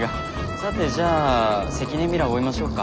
さてじゃあ関根ミラ追いましょうか。